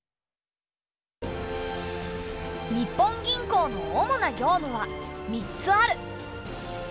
日本銀行の主な業務は３つある。